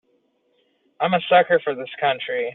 I'm a sucker for this country.